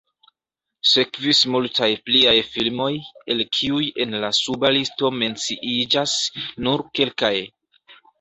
Sekvis multaj pliaj filmoj, el kiuj en la suba listo menciiĝas nur kelkaj.